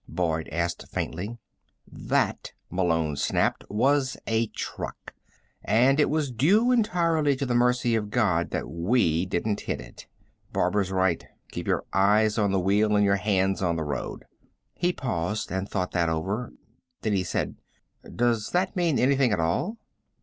Boyd asked faintly. "That," Malone snapped, "was a truck. And it was due entirely to the mercy of God that we didn't hit it. Barbara's right. Keep your eyes on the wheel and your hands on the road." He paused and thought that over. Then he said: "Does that mean anything at all?"